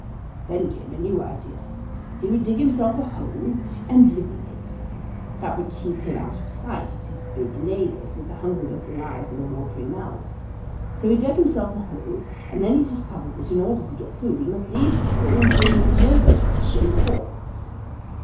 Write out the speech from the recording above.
"Then came a new idea. He would dig himself a hole and live in it. That would keep him out of sight of his big neighbors with the hungry looking eyes and the watery mouths. So he dug himself a hole, and then he discovered that in order to get food he must leave the hole, and so he was no better off than before.